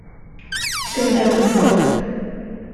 更大更好的